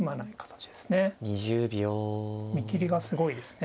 見切りがすごいですね。